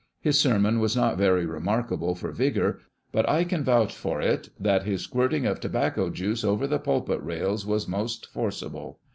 His sermon was not very remarkable for vigour, but I can vouch for it, that his squirting of lobacco juice over the pulpit rails was most forcible